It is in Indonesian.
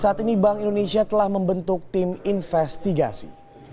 saat ini bank indonesia telah membentuk tim investigasi